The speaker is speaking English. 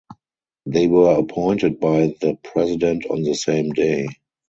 They were appointed by the president on the same day.